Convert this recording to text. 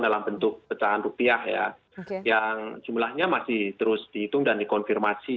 dalam bentuk pecahan rupiah ya yang jumlahnya masih terus dihitung dan dikonfirmasi